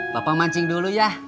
bapak mancing dulu ya